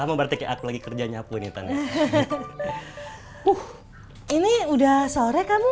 sama berarti kayak aku lagi kerja nyapu ini tante